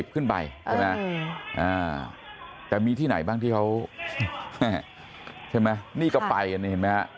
๒๐ขึ้นไปแต่มีที่ไหนบ้างที่เขาใช่ไหมนี่ก็ไปนะเห็นไหม